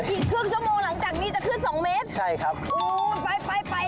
อีกครึ่งชั่วโมงหลังจากนี้จะขึ้น๒เมตรอู๋ไปรีบ